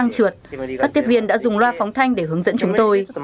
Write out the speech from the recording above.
trượt các tiếp viên đã dùng loa phóng thanh để hướng dẫn chúng tôi